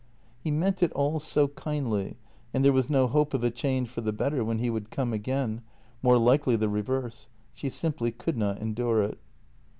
He meant it all so kindly, and there was no hope of a change for the better when he would come again — more likely the reverse; she simply could not endure it.